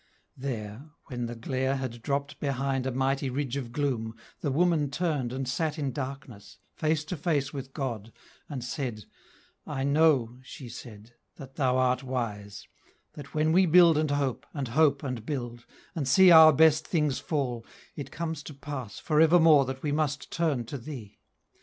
There, when the glare had dropped behind A mighty ridge of gloom, the woman turned And sat in darkness, face to face with God, And said, "I know," she said, "that Thou art wise; That when we build and hope, and hope and build, And see our best things fall, it comes to pass For evermore that we must turn to Thee!